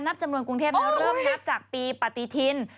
กักจากปีปฏิทิน